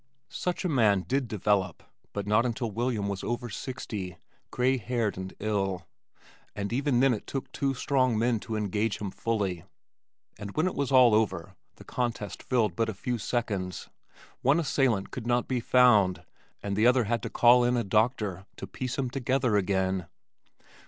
Such a man did develop, but not until William was over sixty, gray haired and ill, and even then it took two strong men to engage him fully, and when it was all over (the contest filled but a few seconds), one assailant could not be found, and the other had to call in a doctor to piece him together again.